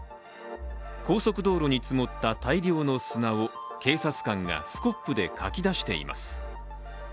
高速道路に積もった大量の砂を警察官がスコップでかき出しています。